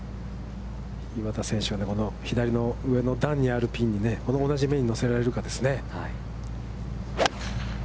岩田選手はこの左の上の段にあるピンにこの同じ面に乗せられるかですね。